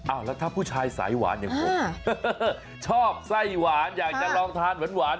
แล้วถ้าผู้ชายสายหวานอย่างผมชอบไส้หวานอยากจะลองทานหวาน